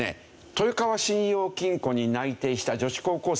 豊川信用金庫に内定した女子高校生がいたんですね。